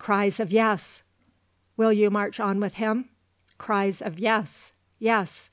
(Cries of "Yes.") Will you march on with him? (Cries of "Yes, yes.")